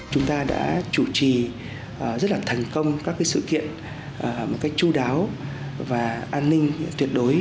chúng ta đã chủ trì rất là thành công các sự kiện một cách chú đáo và an ninh tuyệt đối